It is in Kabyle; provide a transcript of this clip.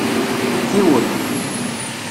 Ḥiwel.